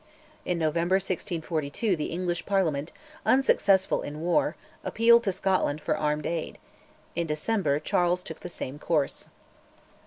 In November 1642 the English Parliament, unsuccessful in war, appealed to Scotland for armed aid; in December Charles took the same course.